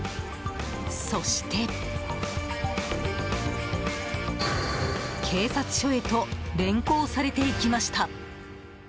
そして、警察署へと連行されていきました。